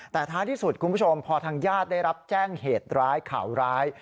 แต่ท้ายที่สุดคุณผู้ชมพอทางญาติได้รับแจ้งเหตุร้ายข่าวร้าย